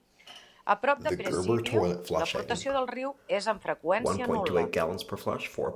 A prop de Presidio, l'aportació del riu és amb freqüència nul·la.